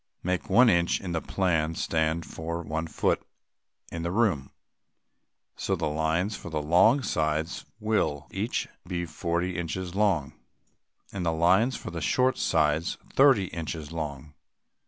Make one inch in the plan stand for one foot in the room. So the lines for the long sides will each be forty inches long, and the lines for the short sides thirty inches long.